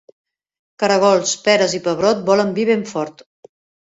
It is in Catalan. Caragols, peres i pebrot volen vi ben fort.